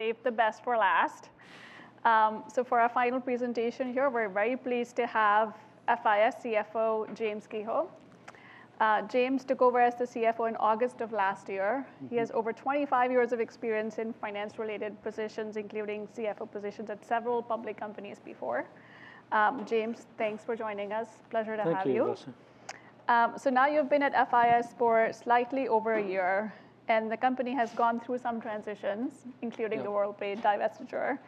Save the best for last. So for our final presentation here, we're very pleased to have FIS CFO James Kehoe. James took over as the CFO in August of last year. He has over 25 years of experience in finance-related positions, including CFO positions at several public companies before. James, thanks for joining us. Pleasure to have you. Thank you, Rosa. So now you've been at FIS for slightly over a year, and the company has gone through some transitions, including the Worldpay Divestiture.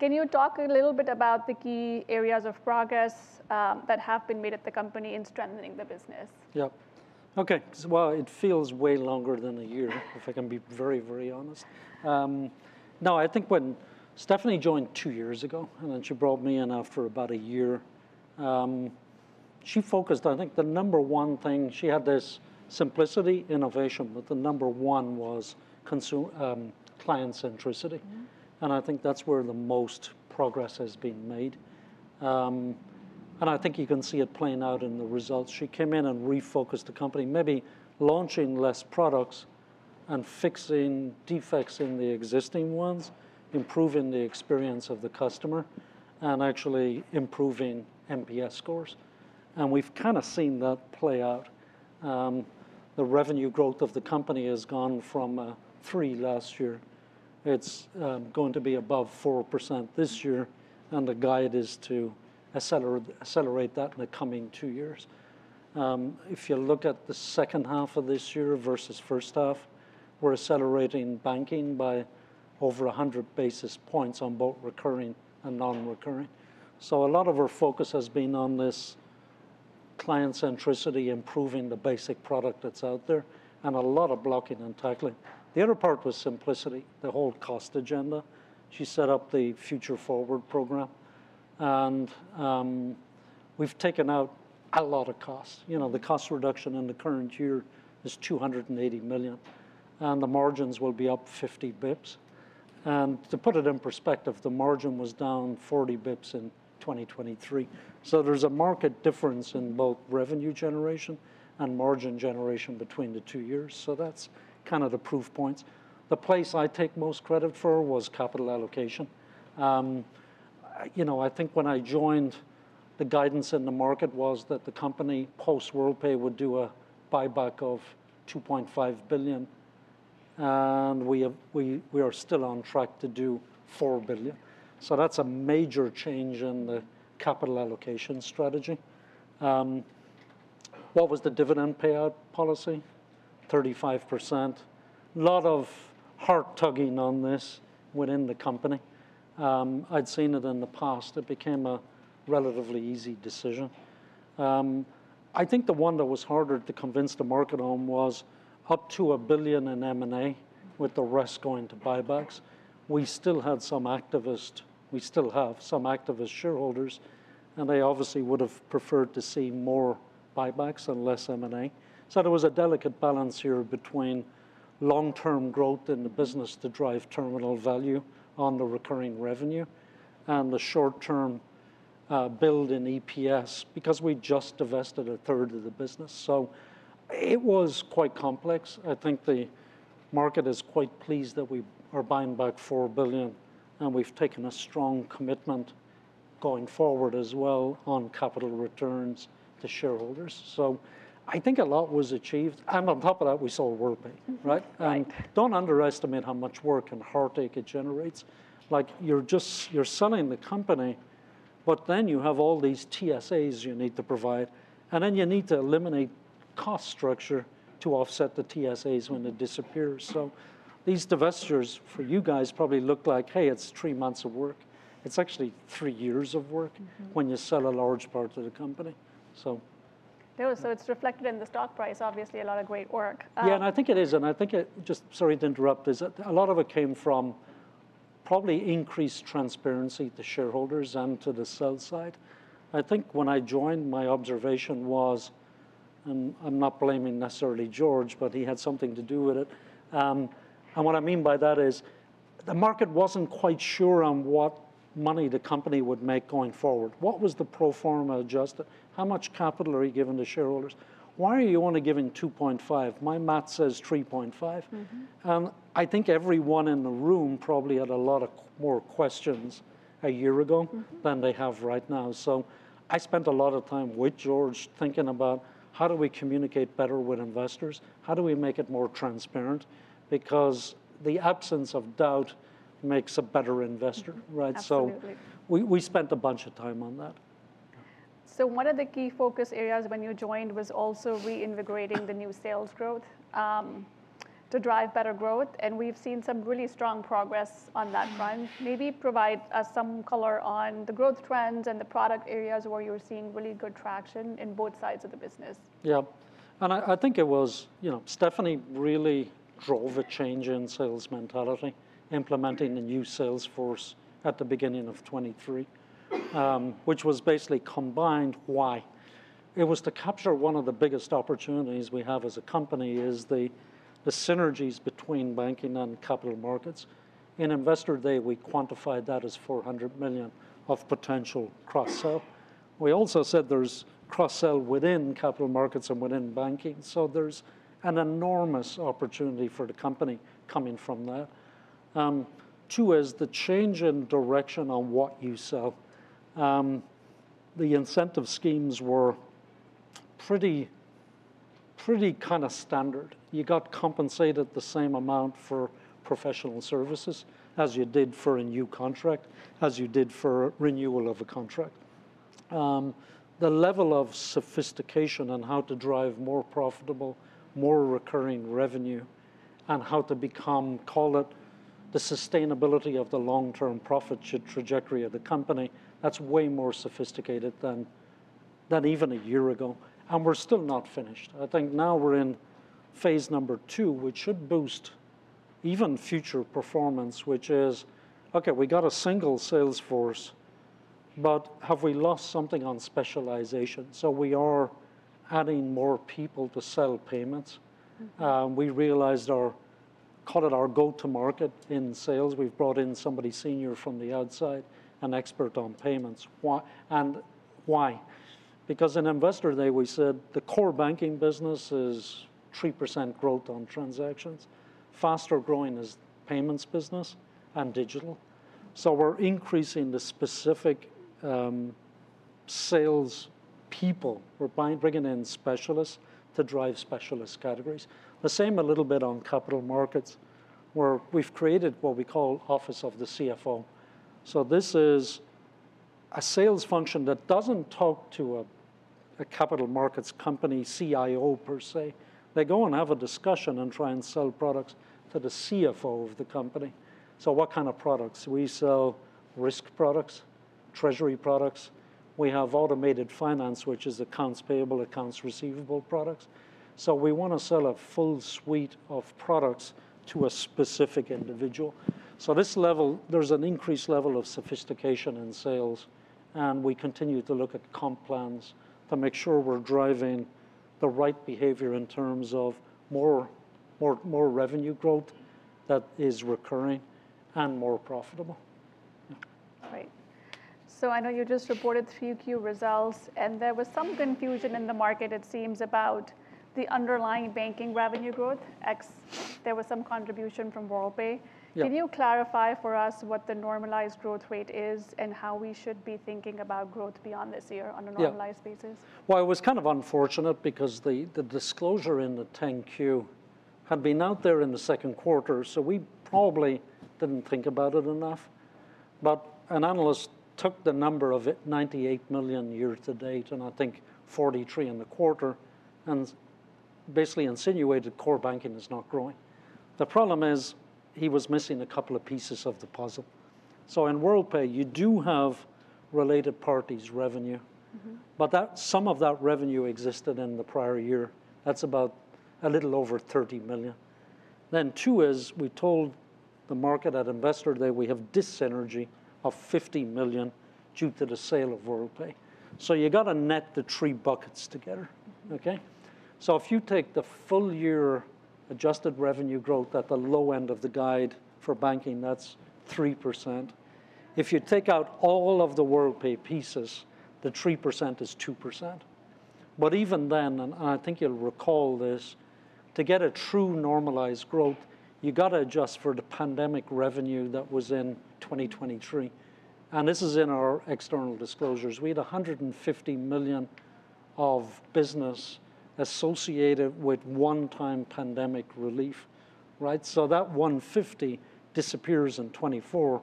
Can you talk a little bit about the key areas of progress that have been made at the company in strengthening the business? Yeah. OK, well, it feels way longer than a year, if I can be very, very honest. No, I think when Stephanie joined two years ago, and then she brought me in after about a year, she focused, I think, the number one thing she had this simplicity, innovation, but the number one was client centricity. And I think that's where the most progress has been made. And I think you can see it playing out in the results. She came in and refocused the company, maybe launching less products and fixing defects in the existing ones, improving the experience of the customer, and actually improving NPS scores. And we've kind of seen that play out. The revenue growth of the company has gone from 3% last year. It's going to be above 4% this year, and the guide is to accelerate that in the coming two years. If you look at the second half of this year versus first half, we're accelerating banking by over 100 basis points on both recurring and non-recurring. So a lot of our focus has been on this client centricity, improving the basic product that's out there, and a lot of blocking and tackling. The other part was simplicity, the whole cost agenda. She set up the Future Forward Program. And we've taken out a lot of costs. The cost reduction in the current year is $280 million, and the margins will be up 50 basis points. And to put it in perspective, the margin was down 40 basis points in 2023. So there's a marked difference in both revenue generation and margin generation between the two years. So that's kind of the proof points. The place I take most credit for was capital allocation. I think when I joined, the guidance in the market was that the company post-Worldpay would do a buyback of $2.5 billion. And we are still on track to do $4 billion. So that's a major change in the capital allocation strategy. What was the dividend payout policy? 35%. A lot of heart tugging on this within the company. I'd seen it in the past. It became a relatively easy decision. I think the one that was harder to convince the market on was up to $1 billion in M&A with the rest going to buybacks. We still had some activist shareholders, and we still have some activist shareholders, and they obviously would have preferred to see more buybacks and less M&A. So there was a delicate balance here between long-term growth in the business to drive terminal value on the recurring revenue and the short-term build in EPS because we just divested a third of the business. So it was quite complex. I think the market is quite pleased that we are buying back $4 billion, and we've taken a strong commitment going forward as well on capital returns to shareholders. So I think a lot was achieved. And on top of that, we sold Worldpay, right? And don't underestimate how much work and heartache it generates. You're selling the company, but then you have all these TSAs you need to provide. And then you need to eliminate cost structure to offset the TSAs when it disappears. So these divestitures for you guys probably look like, hey, it's three months of work. It's actually three years of work when you sell a large part of the company, so. So it's reflected in the stock price, obviously, a lot of great work. Yeah, and I think it is. And I think it just, sorry to interrupt. A lot of it came from probably increased transparency to shareholders and to the sell-side. I think when I joined, my observation was, and I'm not blaming necessarily George, but he had something to do with it. And what I mean by that is the market wasn't quite sure on what money the company would make going forward. What was the pro forma adjusted? How much capital are you giving to shareholders? Why are you only giving $2.5? My math says $3.5. And I think everyone in the room probably had a lot more questions a year ago than they have right now. So I spent a lot of time with George thinking about how do we communicate better with investors? How do we make it more transparent? Because the absence of doubt makes a better investor, right? Absolutely. So we spent a bunch of time on that. One of the key focus areas when you joined was also reinvigorating the new sales growth to drive better growth. And we've seen some really strong progress on that front. Maybe provide us some color on the growth trends and the product areas where you're seeing really good traction in both sides of the business? Yeah. And I think it was Stephanie really drove a change in sales mentality, implementing the new sales force at the beginning of 2023, which was basically combined. Why? It was to capture one of the biggest opportunities we have as a company, is the synergies between banking and capital markets. In Investor Day, we quantified that as $400 million of potential cross-sell. We also said there's cross-sell within capital markets and within banking. So there's an enormous opportunity for the company coming from that. Two is the change in direction on what you sell. The incentive schemes were pretty kind of standard. You got compensated the same amount for professional services as you did for a new contract, as you did for renewal of a contract. The level of sophistication on how to drive more profitable, more recurring revenue, and how to become, call it, the sustainability of the long-term profit trajectory of the company, that's way more sophisticated than even a year ago. And we're still not finished. I think now we're in phase number two, which should boost even future performance, which is, OK, we got a single sales force, but have we lost something on specialization? So we are adding more people to sell payments. We realized our call it our go-to market in sales. We've brought in somebody senior from the outside, an expert on payments. And why? Because in Investor Day, we said the core banking business is 3% growth on transactions, faster growing as payments business, and digital. So we're increasing the specific sales people. We're bringing in specialists to drive specialist categories. The same a little bit on capital markets, where we've created what we call Office of the CFO. So this is a sales function that doesn't talk to a capital markets company CIO, per se. They go and have a discussion and try and sell products to the CFO of the company. So what kind of products? We sell risk products, treasury products. We have Automated Finance, which is accounts payable, accounts receivable products. So we want to sell a full suite of products to a specific individual. So this level, there's an increased level of sophistication in sales. And we continue to look at comp plans to make sure we're driving the right behavior in terms of more revenue growth that is recurring and more profitable. Right. I know you just reported 3Q results. And there was some confusion in the market, it seems, about the underlying banking revenue growth. There was some contribution from Worldpay. Can you clarify for us what the normalized growth rate is and how we should be thinking about growth beyond this year on a normalized basis? It was kind of unfortunate because the disclosure in the 10-Q had been out there in the second quarter, so we probably didn't think about it enough. An analyst took the number of $98 million year to date, and I think $43 and a quarter, and basically insinuated core banking is not growing. The problem is he was missing a couple of pieces of the puzzle. In Worldpay, you do have related parties' revenue, but some of that revenue existed in the prior year. That's about a little over $30 million. Then, two, we told the market at Investor Day we have dis-synergy of $50 million due to the sale of Worldpay. You got to net the three buckets together, OK. If you take the full year adjusted revenue growth at the low end of the guide for banking, that's 3%. If you take out all of the Worldpay pieces, the 3% is 2%. But even then, and I think you'll recall this, to get a true normalized growth, you got to adjust for the pandemic revenue that was in 2023. And this is in our external disclosures. We had $150 million of business associated with one-time pandemic relief, right? So that $150 million disappears in 2024.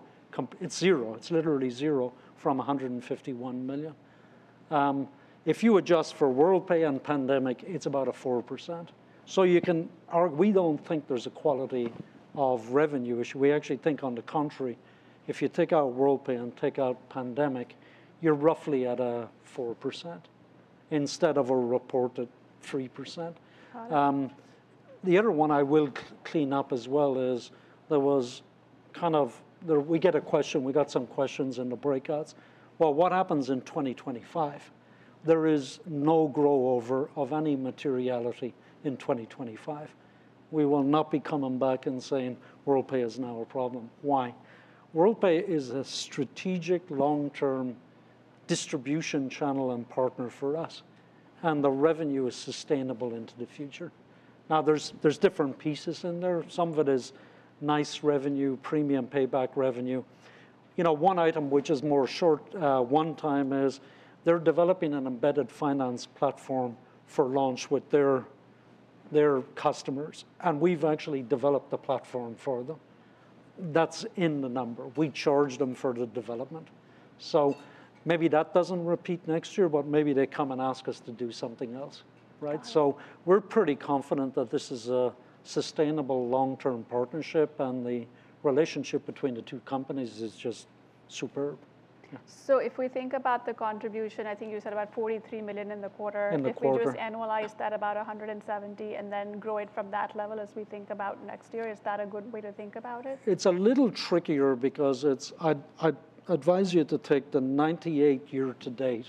It's zero. It's literally zero from $151 million. If you adjust for Worldpay and pandemic, it's about a 4%. So you can argue we don't think there's a quality of revenue issue. We actually think, on the contrary, if you take out Worldpay and take out pandemic, you're roughly at a 4% instead of a reported 3%. The other one I will clean up as well is there was kind of we get a question. We got some questions in the breakouts. What happens in 2025? There is no carryover of any materiality in 2025. We will not be coming back and saying Worldpay is now a problem. Why? Worldpay is a strategic long-term distribution channel and partner for us. And the revenue is sustainable into the future. Now, there's different pieces in there. Some of it is nice revenue, premium payback revenue. One item, which is more short-term, one-time, is they're developing an embedded finance platform for launch with their customers. And we've actually developed the platform for them. That's in the number. We charge them for the development. So maybe that doesn't repeat next year, but maybe they come and ask us to do something else, right? So we're pretty confident that this is a sustainable long-term partnership. And the relationship between the two companies is just superb. If we think about the contribution, I think you said about $43 million in the quarter. In the quarter. If we just annualize that about $170 million and then grow it from that level as we think about next year, is that a good way to think about it? It's a little trickier because I'd advise you to take the $98 million year to date.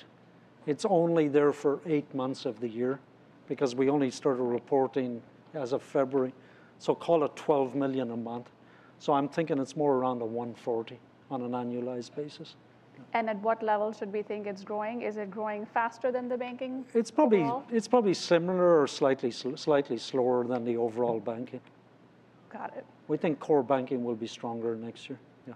It's only there for eight months of the year because we only started reporting as of February. So call it $12 million a month. So I'm thinking it's more around a $140 million on an annualized basis. At what level should we think it's growing? Is it growing faster than the banking? It's probably similar or slightly slower than the overall banking. Got it. We think core banking will be stronger next year, yeah.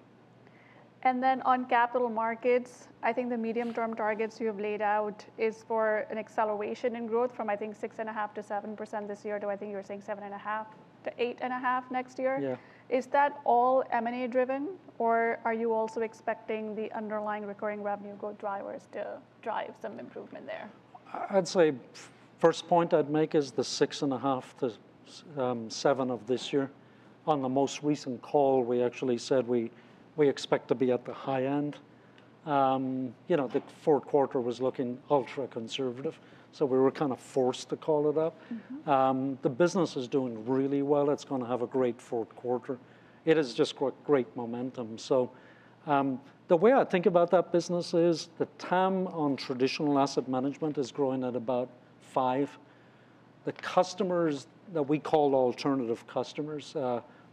Then on capital markets, I think the medium-term targets you have laid out is for an acceleration in growth from, I think, 6.5%-7% this year. Do I think you're saying 7.5%-8.5% next year? Yeah. Is that all M&A driven, or are you also expecting the underlying recurring revenue growth drivers to drive some improvement there? I'd say first point I'd make is the 6.5%-7% of this year. On the most recent call, we actually said we expect to be at the high end. The fourth quarter was looking ultra-conservative. So we were kind of forced to call it up. The business is doing really well. It's going to have a great fourth quarter. It is just got great momentum. So the way I think about that business is the TAM on traditional asset management is growing at about $5. The customers that we call alternative customers,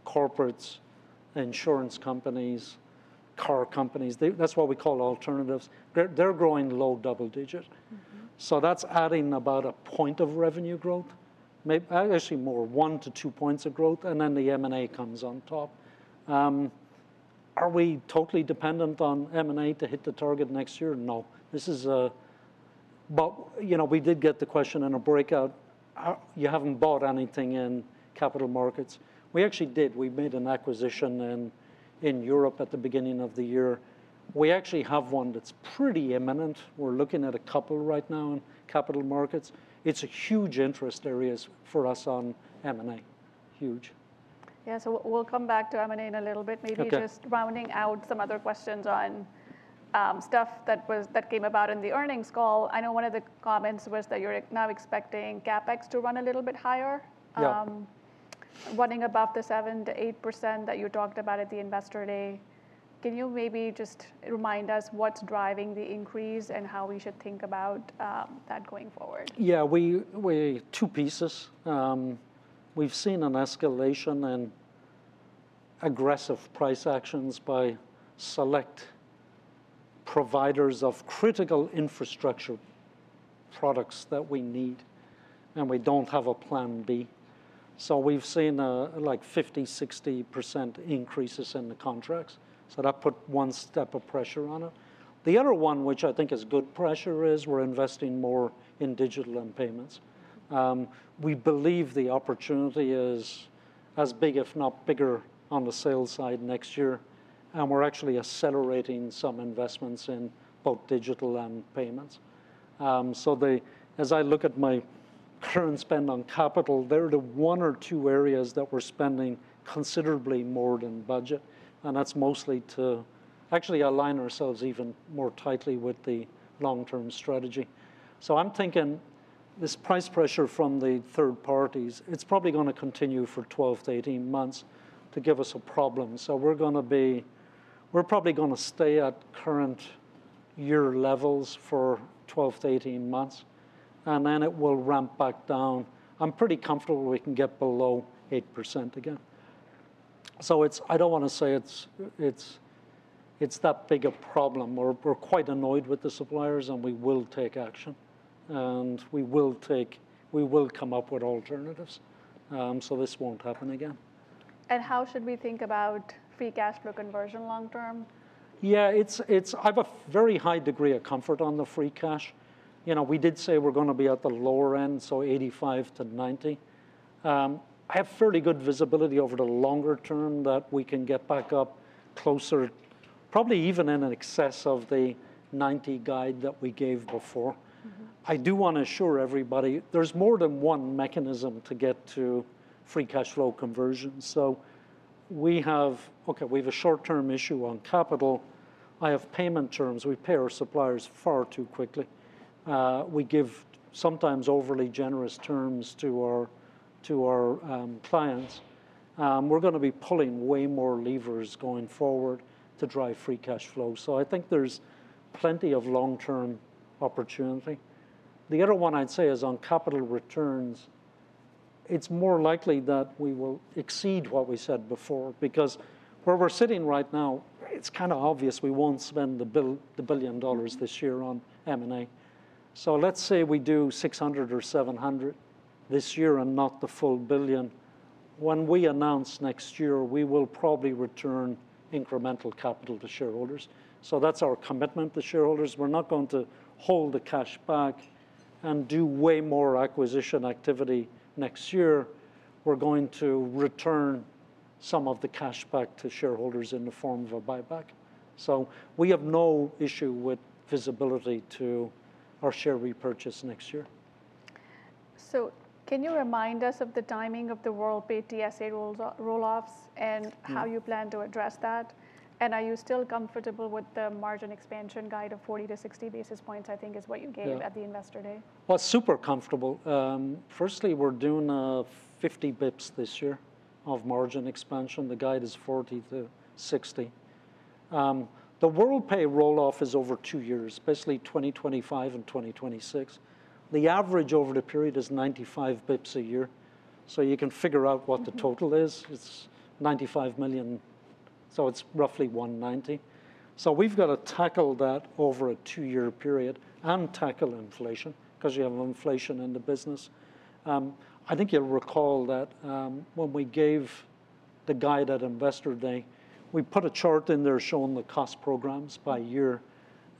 corporates, insurance companies, car companies, that's what we call alternatives, they're growing low double digit. So that's adding about a point of revenue growth, actually more one to two points of growth. And then the M&A comes on top. Are we totally dependent on M&A to hit the target next year? No. But we did get the question in a breakout: you haven't bought anything in capital markets. We actually did. We made an acquisition in Europe at the beginning of the year. We actually have one that's pretty imminent. We're looking at a couple right now in capital markets. It's a huge interest area for us on M&A. Huge. Yeah. So we'll come back to M&A in a little bit. Maybe just rounding out some other questions on stuff that came about in the earnings call. I know one of the comments was that you're now expecting CapEx to run a little bit higher, running above the 7%-8% that you talked about at the Investor Day. Can you maybe just remind us what's driving the increase and how we should think about that going forward? Yeah. Two pieces. We've seen an escalation and aggressive price actions by select providers of critical infrastructure products that we need, and we don't have a plan B, so we've seen like 50%, 60% increases in the contracts, so that put one step of pressure on it. The other one, which I think is good pressure, is we're investing more in digital and payments. We believe the opportunity is as big, if not bigger, on the sales side next year, and we're actually accelerating some investments in both digital and payments, so as I look at my current spend on capital, they're the one or two areas that we're spending considerably more than budget, and that's mostly to actually align ourselves even more tightly with the long-term strategy. I'm thinking this price pressure from the third parties. It's probably going to continue for 12-18 months and give us a problem. We're probably going to stay at current year levels for 12-18 months. Then it will ramp back down. I'm pretty comfortable we can get below 8% again. I don't want to say it's that big a problem. We're quite annoyed with the suppliers. We will take action. We will come up with alternatives. This won't happen again. How should we think about free cash flow conversion long-term? Yeah. I have a very high degree of comfort on the free cash. We did say we're going to be at the lower end, so $85-$90. I have fairly good visibility over the longer term that we can get back up closer, probably even in excess of the $90 guide that we gave before. I do want to assure everybody there's more than one mechanism to get to free cash flow conversion. So we have OK, we have a short-term issue on capital. I have payment terms. We pay our suppliers far too quickly. We give sometimes overly generous terms to our clients. We're going to be pulling way more levers going forward to drive free cash flow. So I think there's plenty of long-term opportunity. The other one I'd say is on capital returns. It's more likely that we will exceed what we said before. Because where we're sitting right now, it's kind of obvious we won't spend the $1 billion this year on M&A. So let's say we do $600 million or $700 million this year and not the full $1 billion. When we announce next year, we will probably return incremental capital to shareholders. So that's our commitment to shareholders. We're not going to hold the cash back and do way more acquisition activity next year. We're going to return some of the cash back to shareholders in the form of a buyback. So we have no issue with visibility to our share repurchase next year. Can you remind us of the timing of the Worldpay TSA rolloffs and how you plan to address that? And are you still comfortable with the margin expansion guide of 40-60 basis points, I think is what you gave at the Investor Day? Well, super comfortable. Firstly, we're doing 50 basis points this year of margin expansion. The guide is 40 to 60. The Worldpay rolloff is over two years, basically 2025 and 2026. The average over the period is 95 basis points a year. So you can figure out what the total is. It's $95 million. So it's roughly $190 million. So we've got to tackle that over a two-year period and tackle inflation because you have inflation in the business. I think you'll recall that when we gave the guide at Investor Day, we put a chart in there showing the cost programs by year.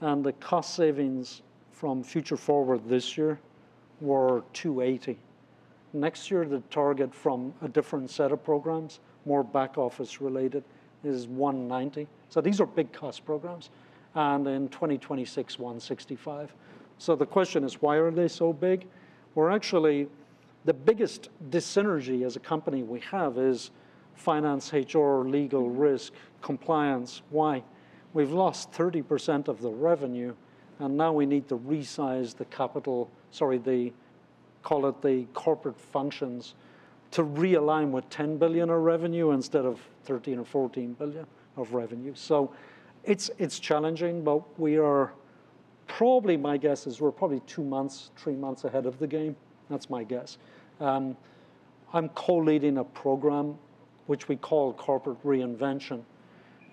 And the cost savings from Future Forward this year were $280 million. Next year, the target from a different set of programs, more back office related, is $190 million. So these are big cost programs. And in 2026, $165 million. So the question is, why are they so big? We're actually the biggest dyssynergy as a company we have is finance, HR, legal, risk, compliance. Why? We've lost 30% of the revenue. And now we need to resize the capital, sorry, the call it the corporate functions to realign with $10 billion of revenue instead of $13 or $14 billion of revenue. So it's challenging. But we are probably my guess is we're probably two months, three months ahead of the game. That's my guess. I'm co-leading a program, which we call Corporate Reinvention.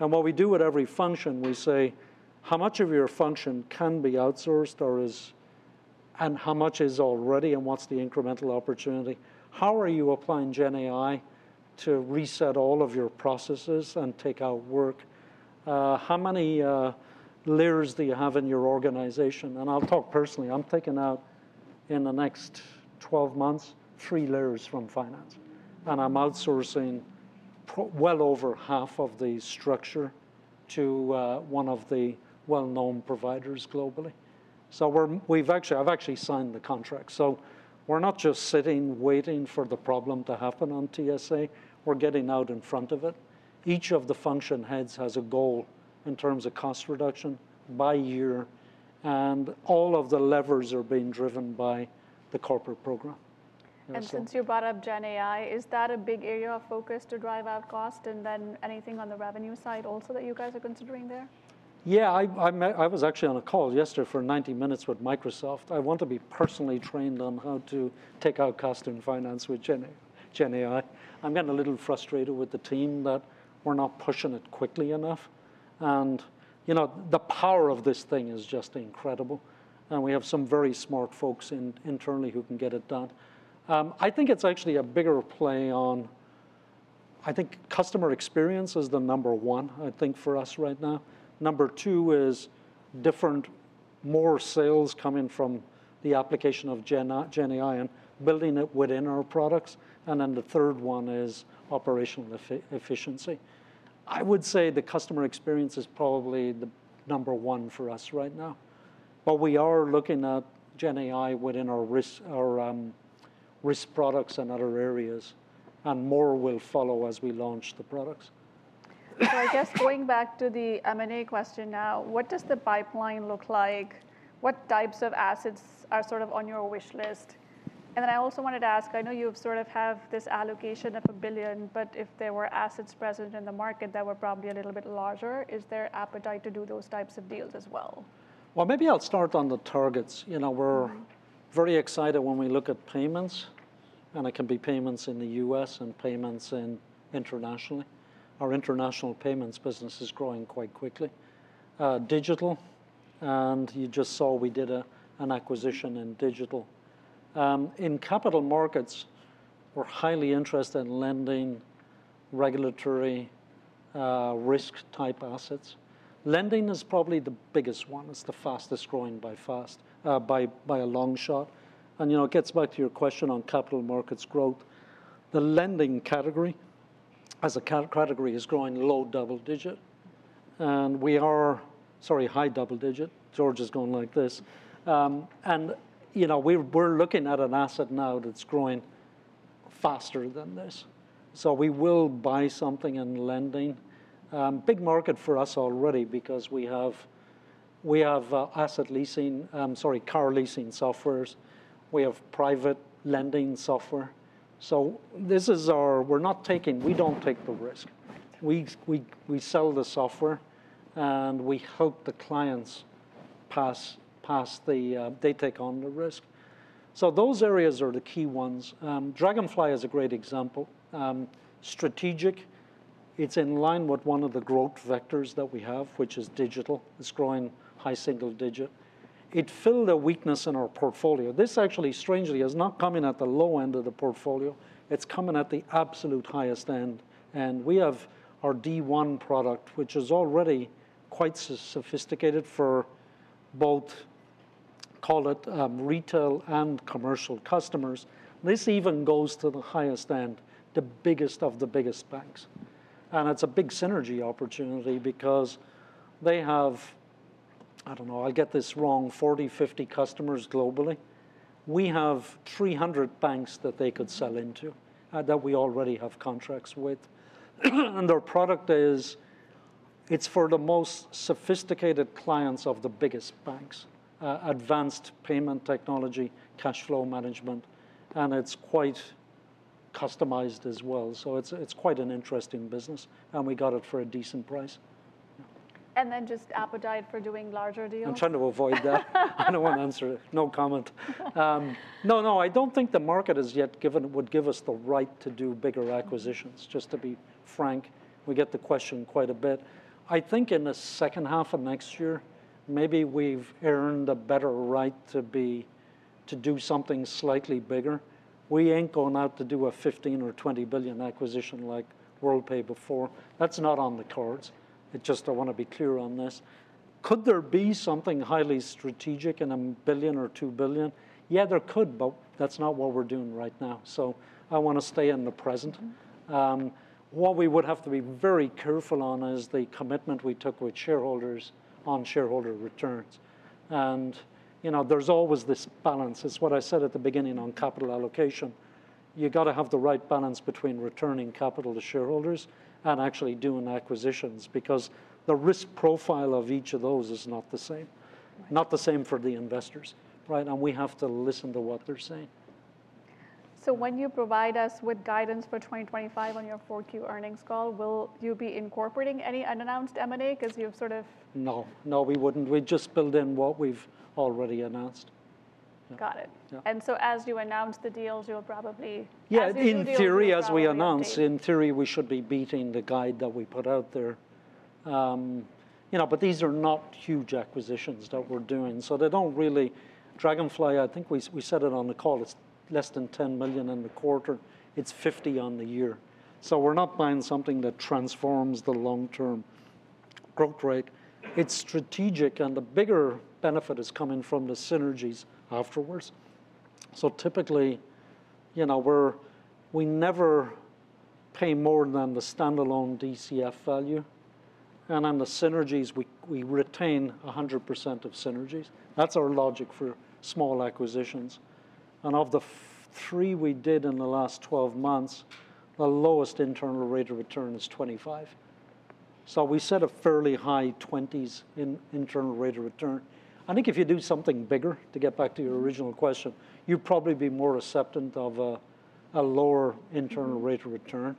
And what we do at every function, we say, how much of your function can be outsourced, and how much is already, and what's the incremental opportunity? How are you applying GenAI to reset all of your processes and take out work? How many layers do you have in your organization? And I'll talk personally. I'm taking out in the next 12 months three layers from finance. And I'm outsourcing well over half of the structure to one of the well-known providers globally. So we've actually signed the contract. So we're not just sitting waiting for the problem to happen on TSA. We're getting out in front of it. Each of the function heads has a goal in terms of cost reduction by year. And all of the levers are being driven by the corporate program. And since you brought up GenAI, is that a big area of focus to drive out cost? And then anything on the revenue side also that you guys are considering there? Yeah. I was actually on a call yesterday for 90 minutes with Microsoft. I want to be personally trained on how to take out cost in finance with GenAI. I'm getting a little frustrated with the team that we're not pushing it quickly enough, and the power of this thing is just incredible, and we have some very smart folks internally who can get it done. I think it's actually a bigger play. I think customer experience is the number one, I think, for us right now. Number two is different, more sales coming from the application of GenAI and building it within our products, and then the third one is operational efficiency. I would say the customer experience is probably the number one for us right now, but we are looking at GenAI within our risk products and other areas. More will follow as we launch the products. So I guess going back to the M&A question now, what does the pipeline look like? What types of assets are sort of on your wish list? And then I also wanted to ask, I know you sort of have this allocation of $1 billion. But if there were assets present in the market that were probably a little bit larger, is there appetite to do those types of deals as well? Maybe I'll start on the targets. We're very excited when we look at payments. And it can be payments in the U.S. and payments internationally. Our international payments business is growing quite quickly. Digital. And you just saw we did an acquisition in digital. In capital markets, we're highly interested in lending regulatory risk-type assets. Lending is probably the biggest one. It's the fastest growing by a long shot. And it gets back to your question on capital markets growth. The lending category as a category is growing low double digit. And we are sorry, high double digit. George is going like this. And we're looking at an asset now that's growing faster than this. So we will buy something in lending. Big market for us already because we have asset leasing, sorry, car leasing software. We have private lending software. So this is our. We're not taking the risk. We don't take the risk. We sell the software. And we hope the clients. They take on the risk. So those areas are the key ones. Dragonfly is a great example. Strategic. It's in line with one of the growth vectors that we have, which is digital. It's growing high single-digit. It filled a weakness in our portfolio. This actually, strangely, is not coming at the low end of the portfolio. It's coming at the absolute highest end. And we have our D1 product, which is already quite sophisticated for both, call it retail and commercial customers. This even goes to the highest end, the biggest of the biggest banks. And it's a big synergy opportunity because they have I don't know. I'll get this wrong, 40, 50 customers globally. We have 300 banks that they could sell into that we already have contracts with. And their product is. It's for the most sophisticated clients of the biggest banks, advanced payment technology, cash flow management. And it's quite customized as well. So it's quite an interesting business. And we got it for a decent price. And then just appetite for doing larger deals. I'm trying to avoid that. I don't want to answer it. No comment. No, no. I don't think the market has yet given us the right to do bigger acquisitions. Just to be frank, we get the question quite a bit. I think in the second half of next year, maybe we've earned a better right to do something slightly bigger. We ain't going out to do a $15 billion or $20 billion acquisition like Worldpay before. That's not on the cards. I just want to be clear on this. Could there be something highly strategic in $1 billion or $2 billion? Yeah, there could. But that's not what we're doing right now, so I want to stay in the present. What we would have to be very careful on is the commitment we took with shareholders on shareholder returns, and there's always this balance. It's what I said at the beginning on capital allocation. You've got to have the right balance between returning capital to shareholders and actually doing acquisitions. Because the risk profile of each of those is not the same, not the same for the investors. And we have to listen to what they're saying. So when you provide us with guidance for 2025 on your 4Q earnings call, will you be incorporating any unannounced M&A? Because you've sort of. No. No, we wouldn't. We just build in what we've already announced. Got it, and so as you announce the deals, you'll probably. Yeah. In theory, as we announce, in theory, we should be beating the guide that we put out there. But these are not huge acquisitions that we're doing. So they don't really Dragonfly. I think we said it on the call. It's less than $10 million in the quarter. It's $50 million on the year. So we're not buying something that transforms the long-term growth rate. It's strategic. And the bigger benefit is coming from the synergies afterwards. So typically, we never pay more than the standalone DCF value. And on the synergies, we retain 100% of synergies. That's our logic for small acquisitions. And of the three we did in the last 12 months, the lowest internal rate of return is 25%. So we set a fairly high 20% internal rate of return. I think if you do something bigger, to get back to your original question, you'd probably be more accepting of a lower internal rate of return.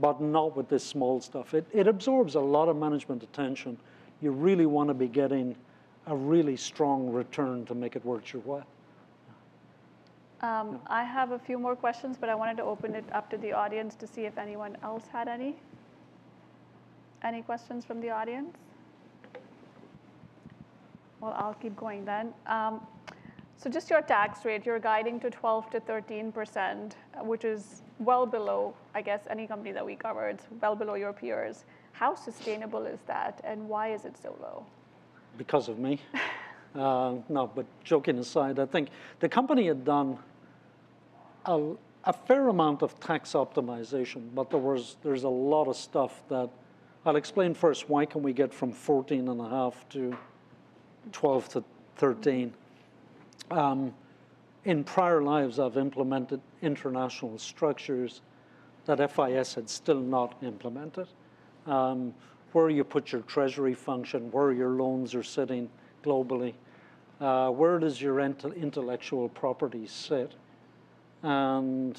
But not with this small stuff. It absorbs a lot of management attention. You really want to be getting a really strong return to make it worth your while. I have a few more questions. But I wanted to open it up to the audience to see if anyone else had any. Any questions from the audience? Well, I'll keep going then. So just your tax rate. You're guiding to 12%-13%, which is well below, I guess, any company that we covered, well below your peers. How sustainable is that? And why is it so low? Because of me. No, but joking aside, I think the company had done a fair amount of tax optimization. But there's a lot of stuff that I'll explain first. Why can we get from 14.5% to 12%-13%? In prior lives, I've implemented international structures that FIS had still not implemented, where you put your treasury function, where your loans are sitting globally, where does your intellectual property sit, and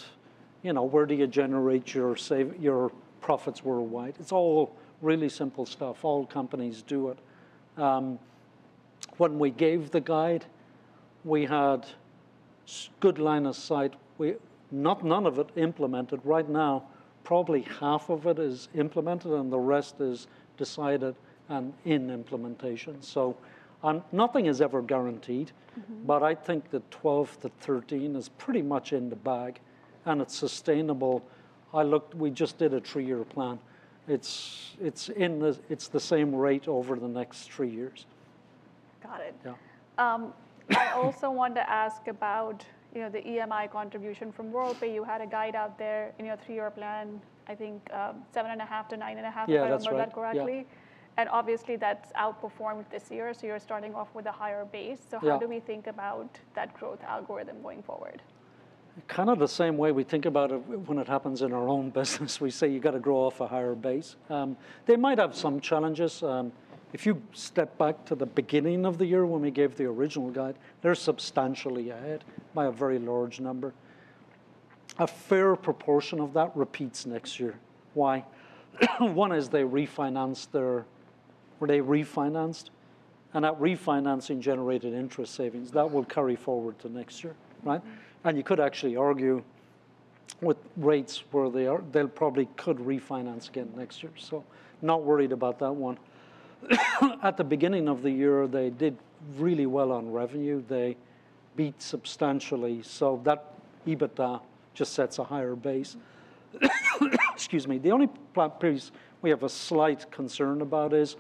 where do you generate your profits worldwide. It's all really simple stuff. All companies do it. When we gave the guide, we had a good line of sight. None of it implemented. Right now, probably half of it is implemented, and the rest is decided and in implementation. So nothing is ever guaranteed, but I think the 12%-13% is pretty much in the bag, and it's sustainable. We just did a three-year plan. It's the same rate over the next three years. Got it. I also wanted to ask about the EMI contribution from Worldpay. You had a guide out there in your three-year plan, I think 7.5%-9.5%. Yeah. That's right. Remember that correctly? And obviously, that's outperformed this year. So you're starting off with a higher base. So how do we think about that growth algorithm going forward? Kind of the same way we think about it when it happens in our own business. We say you've got to grow off a higher base. They might have some challenges. If you step back to the beginning of the year when we gave the original guide, they're substantially ahead by a very large number. A fair proportion of that repeats next year. Why? One is they refinanced. And that refinancing generated interest savings. That will carry forward to next year. And you could actually argue with rates where they are, they'll probably could refinance again next year. So not worried about that one. At the beginning of the year, they did really well on revenue. They beat substantially. So that EBITDA just sets a higher base. Excuse me. The only piece we have a slight concern about is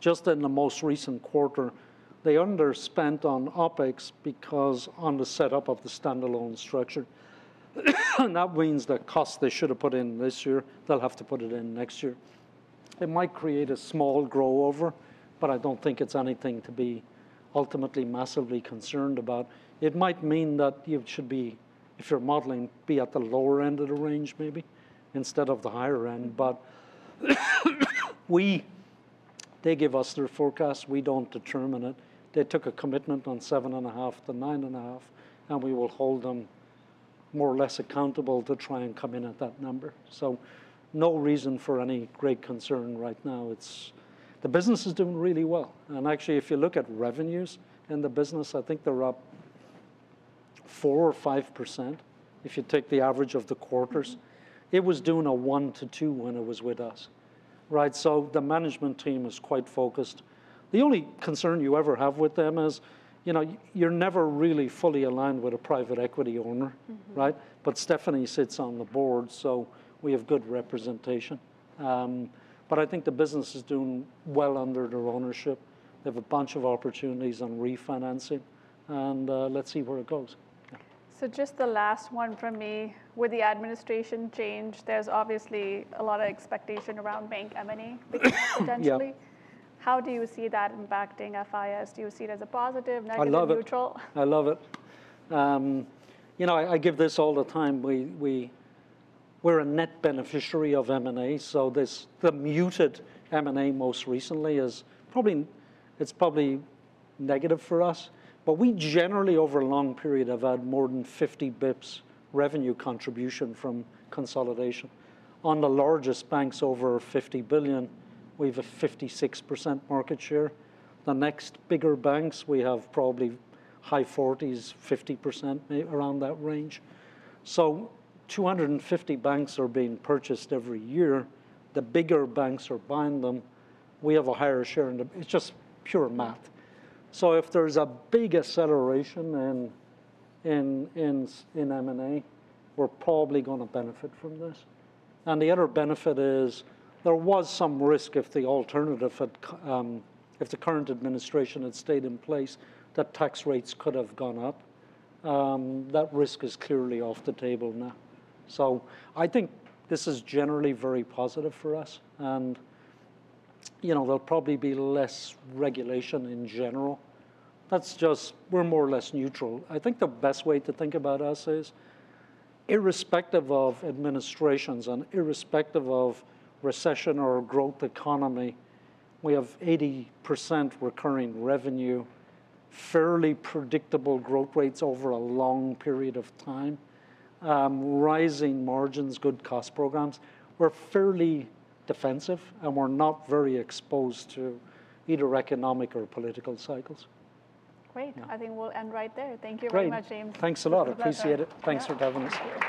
just in the most recent quarter, they underspent on OpEx because on the setup of the standalone structure. And that means the cost they should have put in this year, they'll have to put it in next year. It might create a small grow over. But I don't think it's anything to be ultimately massively concerned about. It might mean that you should be, if you're modeling, be at the lower end of the range maybe instead of the higher end. But they give us their forecast. We don't determine it. They took a commitment on 7.5%-9.5%. And we will hold them more or less accountable to try and come in at that number. So no reason for any great concern right now. The business is doing really well. Actually, if you look at revenues in the business, I think they're up 4% or 5% if you take the average of the quarters. It was doing a 1%-2% when it was with us. The management team is quite focused. The only concern you ever have with them is you're never really fully aligned with a private equity owner. Stephanie sits on the board. We have good representation. I think the business is doing well under their ownership. They have a bunch of opportunities on refinancing. Let's see where it goes. Just the last one from me. With the administration change, there's obviously a lot of expectation around bank M&A potentially. How do you see that impacting FIS? Do you see it as a positive, negative, neutral? I love it. I love it. I give this all the time. We're a net beneficiary of M&A. So the muted M&A most recently is probably negative for us. But we generally, over a long period, have had more than $50 basis points revenue contribution from consolidation. On the largest banks over $50 billion, we have a 56% market share. The next bigger banks, we have probably high 40s, 50%, maybe around that range. So 250 banks are being purchased every year. The bigger banks are buying them. We have a higher share. It's just pure math. So if there's a big acceleration in M&A, we're probably going to benefit from this. And the other benefit is there was some risk if the alternative had, if the current administration had stayed in place that tax rates could have gone up. That risk is clearly off the table now. So I think this is generally very positive for us. And there'll probably be less regulation in general. That's just, we're more or less neutral. I think the best way to think about us is irrespective of administrations and irrespective of recession or growth economy. We have 80% recurring revenue, fairly predictable growth rates over a long period of time, rising margins, good cost programs. We're fairly defensive. And we're not very exposed to either economic or political cycles. Great. I think we'll end right there. Thank you very much, James. Great. Thanks a lot. Appreciate it. Thanks for having us here.